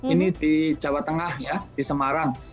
ini di jawa tengah ya di semarang